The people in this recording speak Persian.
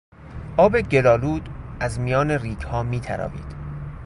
آب گل آلود از میان ریگها می تراوید.